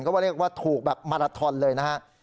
ก็เรียกว่าถูกแบบมาราทอนเลยนะฮะ